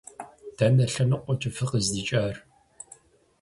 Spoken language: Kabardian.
Дэнэ лъэныкъуэкӏэ фыкъыздикӏар?